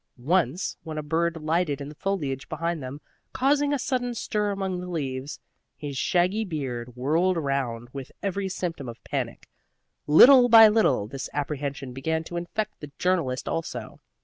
Once, when a bird lighted in the foliage behind them, causing a sudden stir among the leaves, his shaggy beard whirled round with every symptom of panic. Little by little this apprehension began to infect the journalist also.